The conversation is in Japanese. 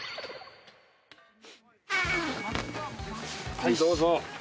はいどうぞ。